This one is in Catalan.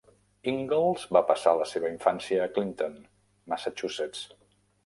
Ingalls va passar la seva infància a Clinton, Massachusetts.